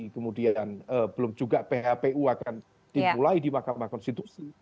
kemudian belum juga phpu akan dimulai di mahkamah konstitusi